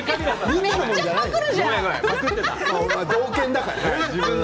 みんなのものじゃないから。